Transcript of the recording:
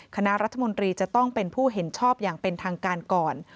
คณะรัฐมนตรีจะต้องเป็นผู้เห็นชอบอย่างเป็นทางการก่อน